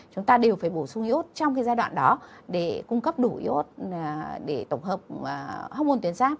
chúng ta đều phải bổ sung iốt trong giai đoạn đó để cung cấp đủ iốt để tổng hợp hormôn tuyến giáp